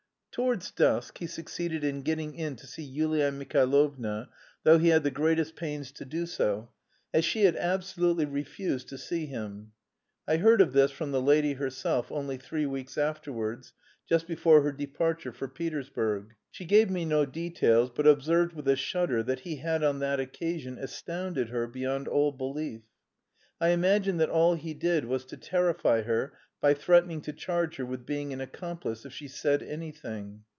Towards dusk he succeeded in getting in to see Yulia Mihailovna though he had the greatest pains to do so, as she had absolutely refused to see him. I heard of this from the lady herself only three weeks afterwards, just before her departure for Petersburg. She gave me no details, but observed with a shudder that "he had on that occasion astounded her beyond all belief." I imagine that all he did was to terrify her by threatening to charge her with being an accomplice if she "said anything."